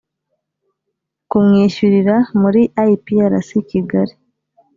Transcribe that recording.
kumwishyurira muri iprc kigali